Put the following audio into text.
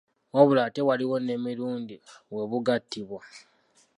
Wabula ate waliwo n’emirundi we bugattibwa.